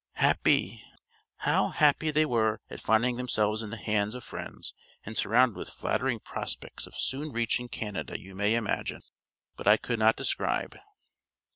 "How happy they were at finding themselves in the hands of friends, and surrounded with flattering prospects of soon reaching Canada you may imagine, but I could not describe."